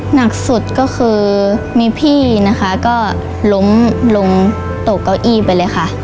หนักสุดก็คือมีพี่นะคะก็ล้มลงตกเก้าอี้ไปเลยค่ะ